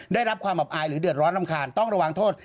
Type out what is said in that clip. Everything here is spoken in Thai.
ได้รับความอับอายหรือเดือดร้อนรำคาญต้องระวังโทษ